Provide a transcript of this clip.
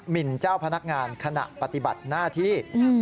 หิ่นเจ้าพนักงานขณะปฏิบัติหน้าที่